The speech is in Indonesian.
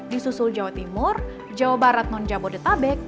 disusul jawa timur jawa barat non jabodetabek